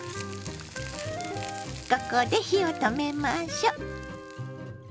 ここで火を止めましょ。